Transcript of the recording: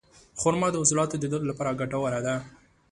خرما د عضلاتو د درد لپاره ګټوره ده.